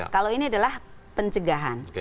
kalau ini adalah pencegahan